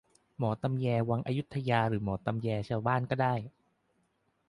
หมอตำแยวังอยุธยาหรือหมอตำแยชาวบ้านก็ได้